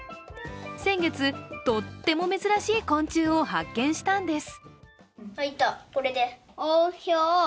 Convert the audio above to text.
先月、とっても珍しい昆虫を発見したんです。